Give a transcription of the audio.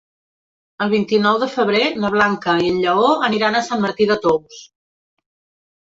El vint-i-nou de febrer na Blanca i en Lleó aniran a Sant Martí de Tous.